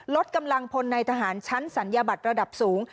ลดกำลังพลในทหารชั้นศัลยบัตรระดับสูง